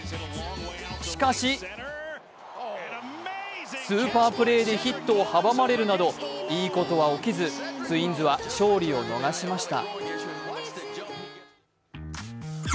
しかしスーパープレーでヒットを阻まれるなどいいことは起きず、ツインズは勝利を逃しました。